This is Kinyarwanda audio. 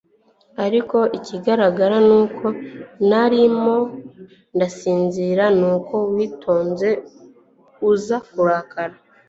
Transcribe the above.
ariko ikigaragara nuko narimo ndasinzira, nuko witonze uza kurara